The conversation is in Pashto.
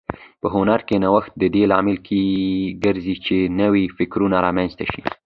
په هنر کې نوښت د دې لامل ګرځي چې نوي فکرونه رامنځته شي.